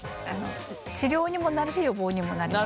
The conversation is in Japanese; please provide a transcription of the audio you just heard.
治療にもなるし予防にもなります。